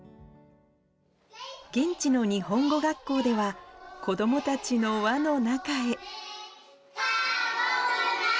現地の日本語学校では、子どもたちの輪の中へ。